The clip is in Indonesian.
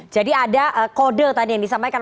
jadi ada kode tadi yang disampaikan